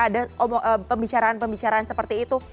ada pembicaraan pembicaraan seperti itu